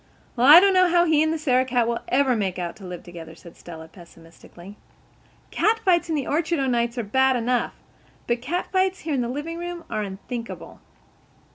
"Well, I don't know how he and the Sarah cat will ever make out to live together," said Stella pesimistically. "Cat fights in the orchard o'nights are bad enough. But cat fights here in the livingroom are unthinkable."